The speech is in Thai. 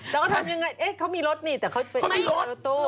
แล้วเขาทำยังไงเขามีรถนี่แต่เขาไปเปิดประตู